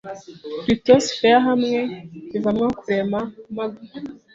litosifera hamwe bivamo kurema magma